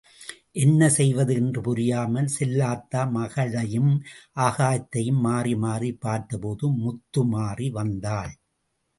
என்ன செய்வது என்று புரியாமல் செல்லாத்தா மகளையும், ஆகாயத்தையும் மாறி மாறிப் பார்த்தபோது முத்துமாறி வந்தாள்.